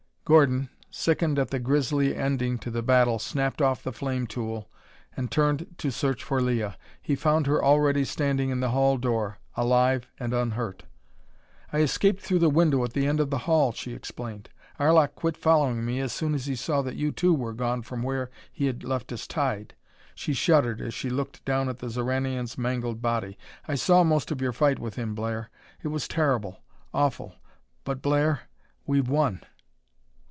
Gordon, sickened at the grisly ending to the battle, snapped off the flame tool and turned to search for Leah. He found her already standing in the hall door, alive, and unhurt. "I escaped through the window at the end of the hall," she explained. "Arlok quit following me as soon as he saw that you too were gone from where he had left us tied." She shuddered as she looked down at the Xoranian's mangled body. "I saw most of your fight with him, Blair. It was terrible; awful. But, Blair, we've won!"